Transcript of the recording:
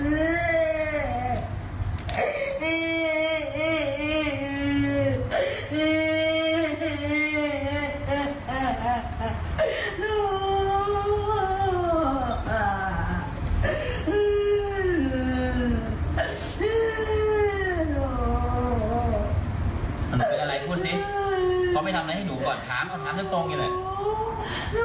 มันเป็นอะไรพูดสิเขาไม่ทำอะไรให้หนูก่อนถามคำถามตรงนี่แหละ